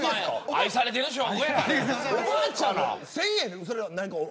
愛されてる証拠や。